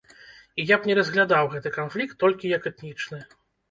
І я б не разглядаў гэты канфлікт толькі як этнічны.